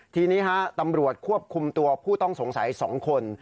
ทีนี้ฮะตำรวจควบคุมตัวผู้ต้องสงสัย๒คน